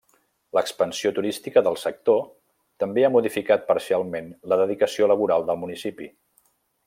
L'expansió turística del sector també ha modificat parcialment la dedicació laboral del municipi.